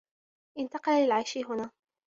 انتقل للعيش هنا.